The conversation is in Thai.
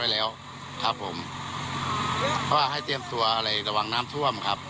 และให้เตรียมทัวร์อะไรดีเวลาวังน้ำท่วมครับ